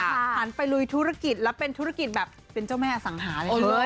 ขันไปลุยธุรกิจแล้วเป็นเจ้าแม่สังหา